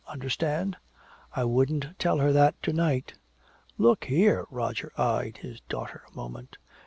Understand?" "I wouldn't tell her that to night." "Look here." Roger eyed his daughter a moment.